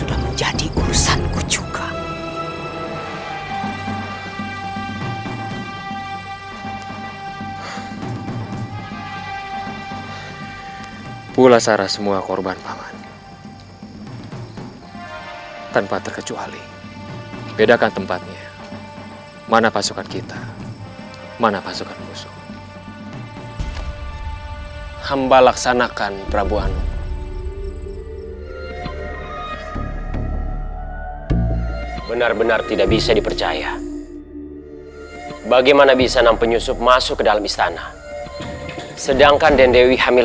aku biarkan lemes clue zou jakannya